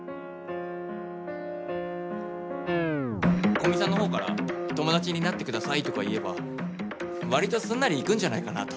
古見さんの方から「友達になって下さい」とか言えば割とすんなりいくんじゃないかなと。